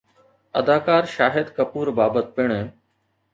اداڪار شاهد ڪپور بابت پڻ